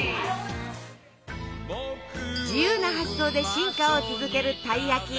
自由な発想で進化を続けるたい焼き！